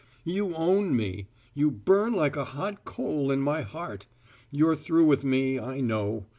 You own me; you burn like a hot coal in my heart. You're through with me, I know.